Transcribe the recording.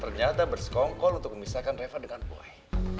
ternyata bersekongkol untuk memisahkan reva dengan buai